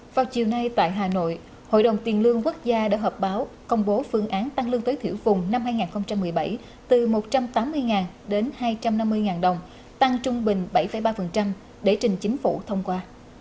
vào chiều nay tại hà nội hội đồng tiền lương quốc gia đã họp báo công bố phương án tăng lương tối thiểu vùng năm hai nghìn một mươi bảy từ một trăm tám mươi đến hai trăm năm mươi đồng tăng trung bình bảy ba để trình chính phủ thông qua